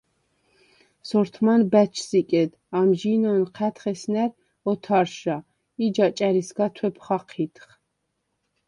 სორთმან ბა̈ჩს იკედ, ამჟი̄ნ ანჴა̈დხ ესნა̈რ ოთარშა ი ჯაჭა̈რისგა თუ̂ეფ ხაჴიდხ.